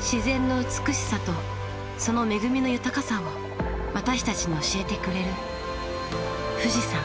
自然の美しさとその恵みの豊かさを私たちに教えてくれる富士山。